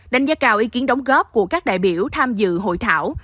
đánh giá cao ý kiến đóng góp của các đại biểu tham dự hội thảo